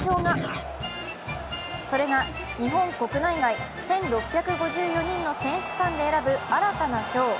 それが、日本国内外１６５４人の選手間で選ぶ新たな賞。